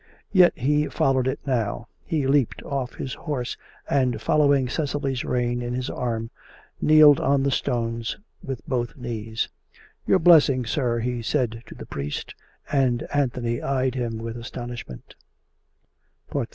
Yet he followed it now; he leapt off his horse and, holding Cecily's rein in his arm, kneeled on the stones with both knees. " Your blessing, sir," he said to the priest. And Anthony eyed him with astonishment.